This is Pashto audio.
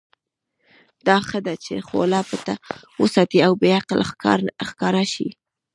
دا ښه ده چې خوله پټه وساتې او بې عقل ښکاره شې.